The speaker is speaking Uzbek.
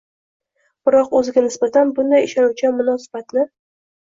Biroq o‘ziga nisbatan bunday ishonuvchan munosabatni